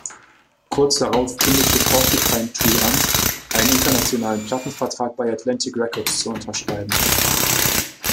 Kurz darauf kündigte Porcupine Tree an, einen internationalen Plattenvertrag bei Atlantic Records zu unterschreiben.